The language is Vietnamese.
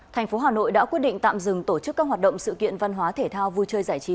thành phố hà nội đã quyết định tạm dừng tổ chức các hoạt động sự kiện văn hóa thể thao vui chơi giải trí